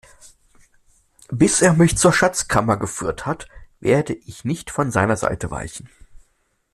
Bis er mich zur Schatzkammer geführt hat, werde ich nicht von seiner Seite weichen.